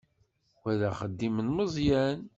Wa d axeddim n Meẓyan.